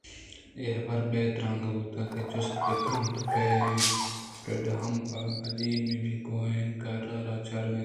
اے حبرءَ بے ترٛانگ بوت کہ جست بہ کنت کئے اِنت؟ فریڈا ہم پہ عجب ءُبے گویاکی آئی ءَرا چارگ ءَ اَت